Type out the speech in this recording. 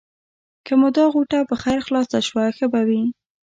که مو دا غوټه په خیر خلاصه شوه؛ ښه به وي.